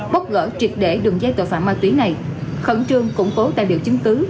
bóc gỡ triệt để đường dây tội phạm ma túy này khẩn trương củng cố tài liệu chứng cứ